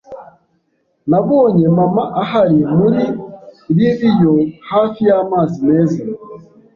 Nabonye mama ahari Muri liliyo hafi yamazi meza